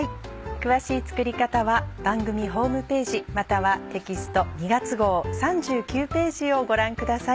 詳しい作り方は番組ホームページまたはテキスト２月号３９ページをご覧ください。